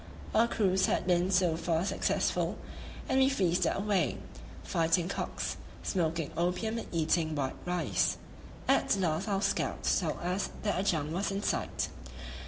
Our cruise had been so far successful, and we feasted away fighting cocks, smoking opium and eating white rice. At last our scouts told us that a junk was in sight.